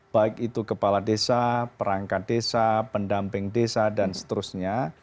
baik itu kepala desa perangkat desa pendamping desa dan seterusnya